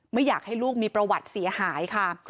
ไม่อยากให้ลูกมีประวัติเสียหายค่ะ